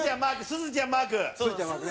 すずちゃんマーク！